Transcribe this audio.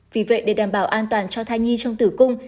vì vậy để đảm bảo an toàn cho thai nhi trong tử cung